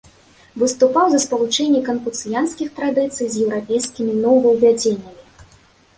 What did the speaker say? Выступаў за спалучэнне канфуцыянскіх традыцый з еўрапейскімі новаўвядзеннямі.